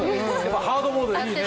ハードモードいいね。